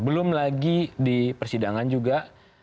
belum lagi di persidangan juga